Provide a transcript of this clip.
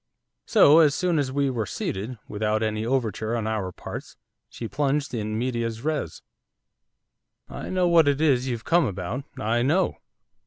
So soon as we were seated, without any overture on our parts she plunged in medias res. 'I know what it is you've come about, I know!